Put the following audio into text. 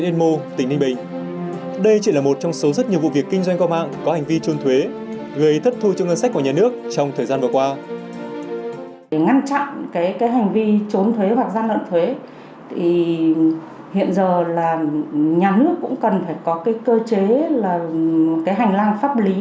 thì hiện giờ là nhà nước cũng cần phải có cái cơ chế là cái hành lang pháp lý